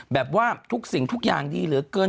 แบบว่าทุกสิ่งทุกอย่างดีเหลือเกิน